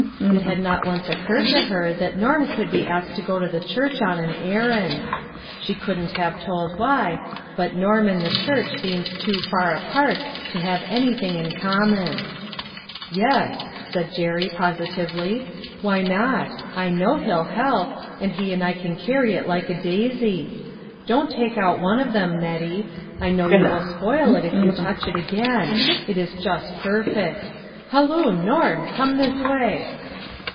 It had not once occurred to her that Norm could be asked to go to the church on an errand. She 228 LITTLE FISHERS: AND THEIR NETS. couldn't have told why, but Norm and the church seemed too far apart to have anything in common. " Yes," said Jerry, positively. " Why not ? I know he'll help ; and he and I can carry it like a daisy. Don't take out one of them, Nettie. I know you will spoil it if you touch it again ; it is just perfect. Halloo, Norm, come this way."